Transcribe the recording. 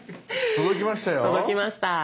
届きました。